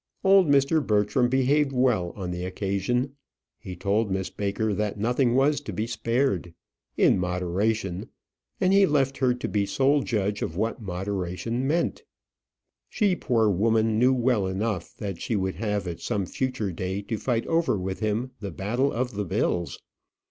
Old Mr. Bertram behaved well on the occasion. He told Miss Baker that nothing was to be spared in moderation; and he left her to be sole judge of what moderation meant. She, poor woman, knew well enough that she would have at some future day to fight over with him the battle of the bills.